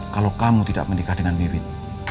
kalau kamu tidak menikah dengan bibit